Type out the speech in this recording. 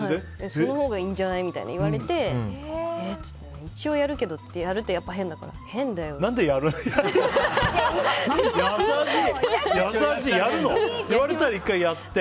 そのほうがいいんじゃない？って言われて一応やるけどやると変だから、変だよって。